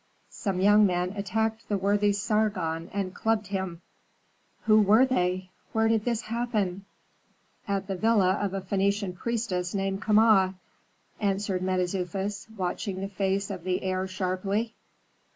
Some young men attacked the worthy Sargon and clubbed him." "Who were they? Where did this happen?" "At the villa of a Phœnician priestess named Kama," answered Mentezufis, watching the face of the heir sharply.